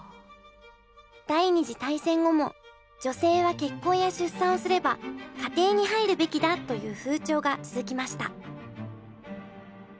第２次大戦後も女性は結婚や出産をすれば家庭に入るべきだという風潮が続きました。